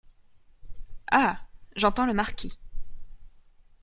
Ah ! j’entends le marquis.